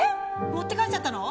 持って帰っちゃったの？